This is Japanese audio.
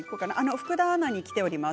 福田アナにきています。